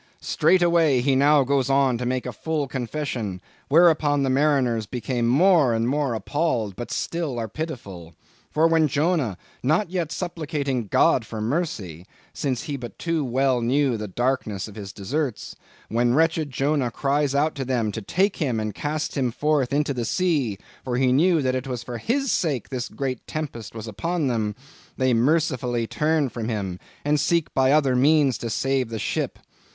_ Straightway, he now goes on to make a full confession; whereupon the mariners became more and more appalled, but still are pitiful. For when Jonah, not yet supplicating God for mercy, since he but too well knew the darkness of his deserts,—when wretched Jonah cries out to them to take him and cast him forth into the sea, for he knew that for his sake this great tempest was upon them; they mercifully turn from him, and seek by other means to save the ship.